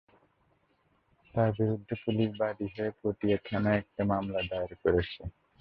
তাঁর বিরুদ্ধে পুলিশ বাদী হয়ে পটিয়া থানায় একটি মামলা দায়ের করেছে।